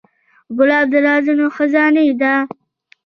ګلاب د رازونو خزانې ده.